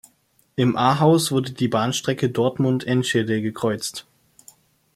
In Ahaus wurde die Bahnstrecke Dortmund–Enschede gekreuzt.